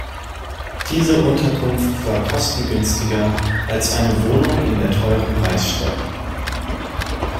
Diese Unterkunft war kostengünstiger als eine Wohnung in der teuren Reichsstadt.